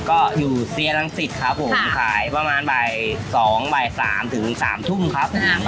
ก็อยู่เซียรังสิตครับผมขายประมาณบ่าย๒บ่าย๓ถึง๓ทุ่มครับ